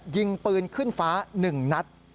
ยิงปืนขึ้นฟ้า๑นัด